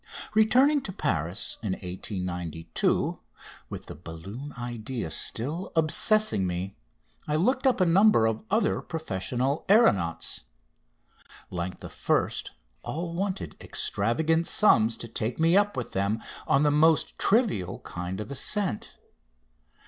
Returning to Paris in 1892, with the balloon idea still obsessing me, I looked up a number of other professional aeronauts. Like the first, all wanted extravagant sums to take me up with them on the most trivial kind of ascent.